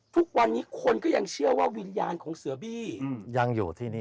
ทุกวันนี้คนก็ยังเชื่อว่าวิญญาณของเสือบี้ยังอยู่ที่นี่